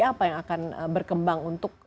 apa yang akan berkembang untuk